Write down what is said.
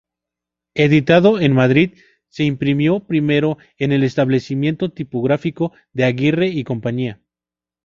Editado en Madrid, se imprimió primero en el establecimiento tipográfico de Aguirre y Compañía.